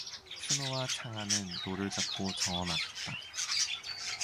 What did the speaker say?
춘우와 창하는 노를 잡고 저어 나갔다.